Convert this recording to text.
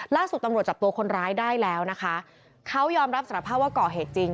ล่าสุดตำรวจจับตัวคนร้ายได้แล้วนะคะเขายอมรับสารภาพว่าก่อเหตุจริง